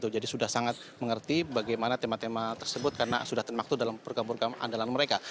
jadi sudah sangat mengerti bagaimana tema tema tersebut karena sudah termaktu dalam program program andalan mereka